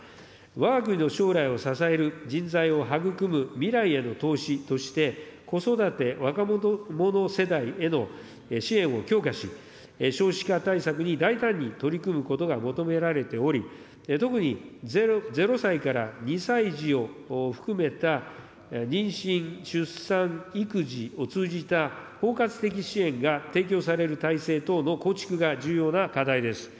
わが国の将来を支える人材を育む未来への投資として、子育て若者世代への支援を強化し、少子化対策に大胆に取り組むことが求められており、特に０歳から２歳児を含めた妊娠、出産、育児を通じた包括的支援が提供される体制等の構築が重要な課題です。